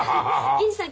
銀次さん